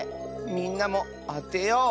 みんなもあてよう！